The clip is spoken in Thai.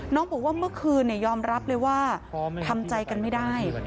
บอกว่าเมื่อคืนยอมรับเลยว่าทำใจกันไม่ได้